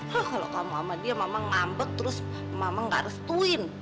loh kalo kamu sama dia mama ngambek terus mama ga restuin